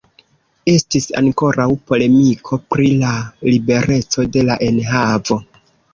Estis ankoraŭ polemiko pri la libereco de la enhavo.